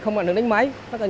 không ảnh hưởng đến máy